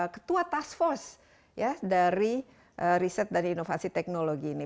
ketua task force dari riset dan inovasi teknologi ini